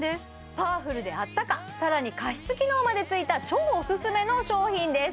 パワフルで暖か更に加湿機能までついた超オススメの商品です